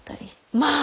まあ！